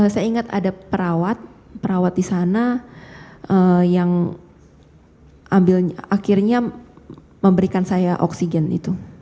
saya ingat ada perawat perawat di sana yang akhirnya memberikan saya oksigen itu